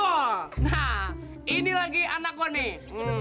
nah ini lagi anak gua nih